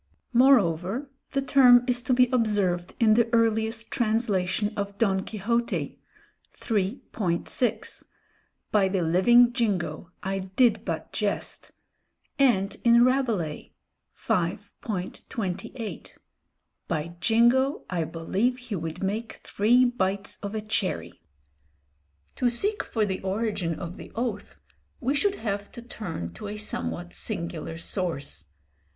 Moreover, the term is to be observed in the earliest translation of Don Quixote (iii. vi.): "by the living jingo, I did but jest," and in Rabelais (v. xxviii.): "by jingo, I believe he would make three bites of a cherry." To seek for the origin of the oath, we should have to turn to a somewhat singular source.